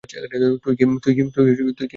তুই কি করেছিস?